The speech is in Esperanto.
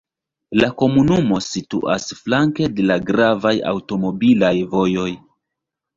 La komunumo situas flanke de la gravaj aŭtomobilaj vojoj.